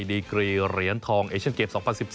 ดีกรีเหรียญทองเอเชียนเกม๒๐๑๔